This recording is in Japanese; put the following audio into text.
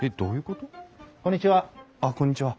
こんにちは。